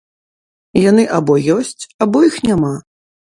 Яны або ёсць, або іх няма.